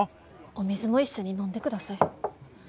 お水も一緒に飲んでください。